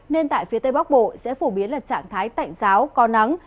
nên tại phía tây bắc bộ sẽ phổ biến là trạng thái tạnh giáo có nắng